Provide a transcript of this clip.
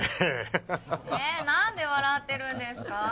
え何で笑ってるんですか？